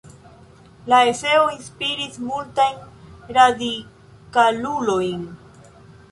La eseo inspiris multajn radikalulojn.